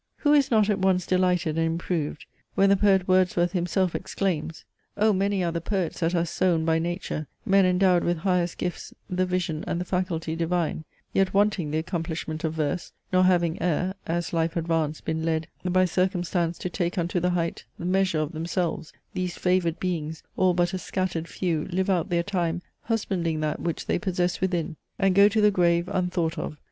Who is not at once delighted and improved, when the Poet Wordsworth himself exclaims, "Oh! many are the Poets that are sown By Nature; men endowed with highest gifts The vision and the faculty divine, Yet wanting the accomplishment of verse, Nor having e'er, as life advanced, been led By circumstance to take unto the height The measure of themselves, these favoured Beings, All but a scattered few, live out their time, Husbanding that which they possess within, And go to the grave, unthought of.